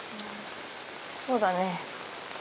そうだね。